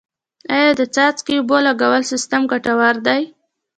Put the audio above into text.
آیا د څاڅکي اوبو لګولو سیستم ګټور دی؟